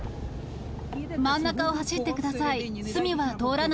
真ん中を走ってください。